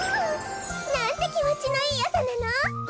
なんてきもちのいいあさなの。